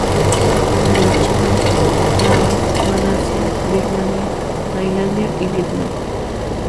Se encuentra en la China, Laos, Malasia, Birmania, Tailandia y Vietnam.